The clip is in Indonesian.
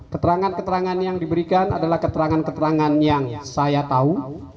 keterangan keterangan yang diberikan adalah keterangan keterangan yang saya tahu